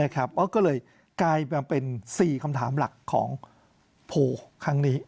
ก็เลยกลายมาเป็น๔คำถามหลักของโพลครั้งนี้